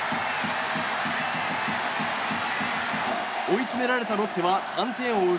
追い詰められたロッテは３点を追う